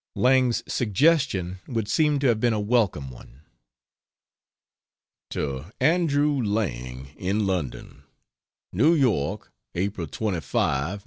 Lang's suggestion would seem to have been a welcome one. To Andrew Lang, in London: NEW YORK, April 25, 1908.